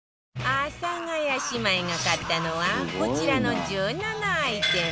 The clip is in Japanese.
阿佐ヶ谷姉妹が買ったのはこちらの１７アイテム